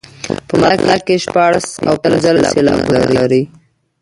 په مطلع کې شپاړس او پنځلس سېلابونه لري.